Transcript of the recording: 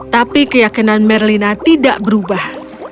tapi keyakinan merlina tidak berubah